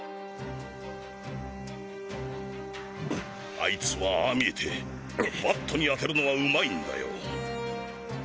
あいつはああ見えてバットに当てるのは上手いんだよ。